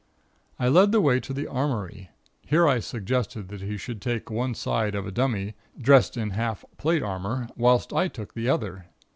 "I led the way to the Armory. Here I suggested that he should take one side of a dummy, dressed in half plate armor, whilst I took the other.